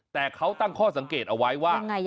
แต่เขาตั้งข้อสังเกตเอาไว้ว่า